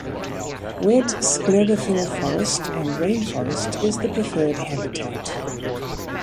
Wet sclerophyll forest and rainforest is the preferred habitat.